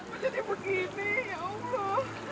su jadi begini ya'a'ahumluhh